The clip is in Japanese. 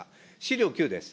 資料９です。